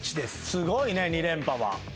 すごいね２連覇は。